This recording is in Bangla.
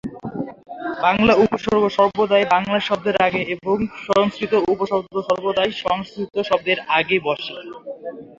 বাংলা উপসর্গ সর্বদাই বাংলা শব্দের আগে এবং সংস্কৃত উপসর্গ সর্বদাই সংস্কৃত শব্দের আগে বসে।